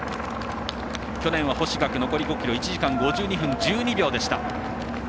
去年は星岳、ラスト５ｋｍ１時間５２分１２秒でした。